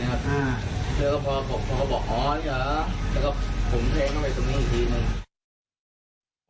แล้วก็พรุ่งเขาบอกอ่อนี่นะแล้วก็หลมเพลงเข้าไปตรงนี้อีกที